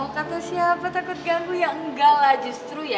kata siapa takut ganggu ya enggak lah justru ya